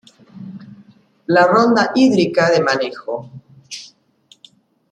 La ronda hídrica de manejo.